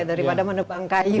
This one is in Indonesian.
daripada menepang kayu